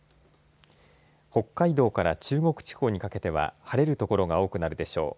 北海道から中国地方にかけては晴れる所が多くなるでしょう。